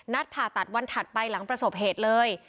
ผ่าตัดวันถัดไปหลังประสบเหตุเลย